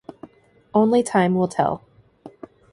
Only time will tell.